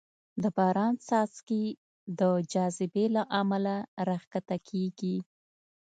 د باران څاڅکې د جاذبې له امله راښکته کېږي.